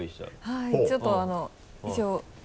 はいちょっと一応。